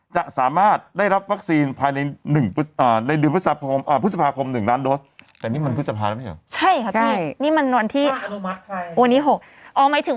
จะสามารถได้รับวัคซีนภายในเดือนพฤษภาคม๑ล้านโส